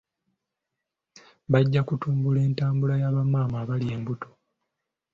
Bajja kutumbula entambula ya bamaama abali embuto.